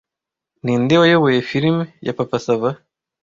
Ninde wayoboye film ya papa sava